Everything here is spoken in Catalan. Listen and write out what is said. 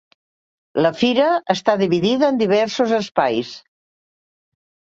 La fira està dividida en diversos espais.